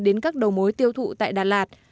đến các đầu mối tiêu thụ tại đà lạt